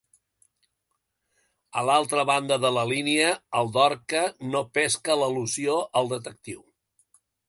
A l'altra banda de la línia, el Dorca no pesca l'al·lusió al detectiu.